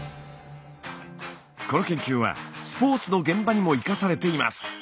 この研究はスポーツの現場にも生かされています。